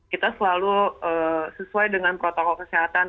kita selalu sesuai dengan protokol kesehatan